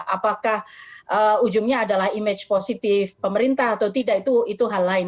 apakah ujungnya adalah image positif pemerintah atau tidak itu hal lain